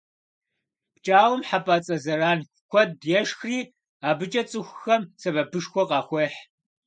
ПкӀауэм хьэпӀацӀэ зэран куэд ешхри абыкӀэ цӀыхухэм сэбэпышхуэ къахуехь.